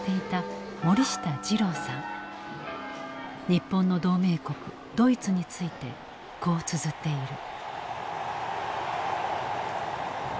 日本の同盟国ドイツについてこうつづっている。